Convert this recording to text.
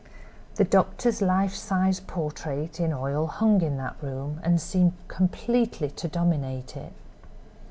The doctor's life size portrait in oil hung in that room, and seemed completely to dominate it.